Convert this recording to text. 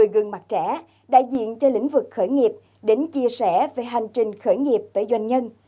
một mươi gương mặt trẻ đại diện cho lĩnh vực khởi nghiệp đến chia sẻ về hành trình khởi nghiệp với doanh nhân